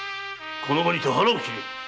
この場にて腹を切れ！